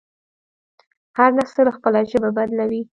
هر نسل خپله ژبه بدلوي.